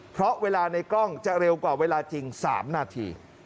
เพราะเวลาในกล้องจะเร็วกว่าเวลาจริง๓นาที